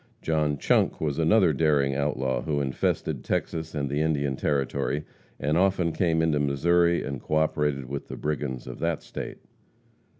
John Chunk was another daring outlaw who infested Texas and the Indian Territory, and often came into Missouri and co operated with the brigands of that state.